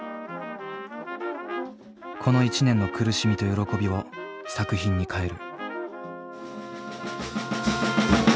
この１年の苦しみと喜びを作品に変える。